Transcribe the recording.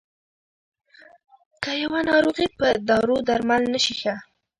که يوه ناروغي په دارو درمل نه شي ښه.